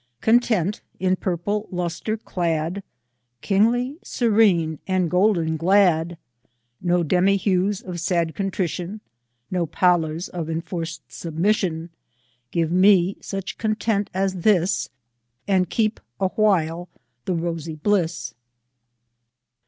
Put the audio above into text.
" Content, in purple lustre clad, Kingly serene, and golden glad, Xo demi hues of sad contrition, No pallors of enforced submission ;— Give me such content as this, And keep awhile the rosy bliss."